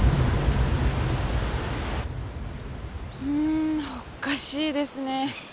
うーんおかしいですね。